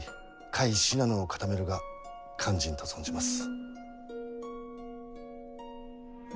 甲斐信濃を固めるが肝心と存じます。